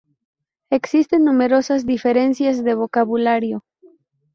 Existen numerosas diferencias de vocabulario.